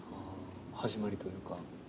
始まりというか。